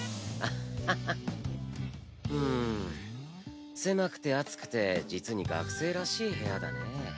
うん狭くて暑くて実に学生らしい部屋だねぇ。